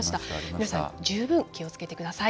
皆さん、十分気をつけてください。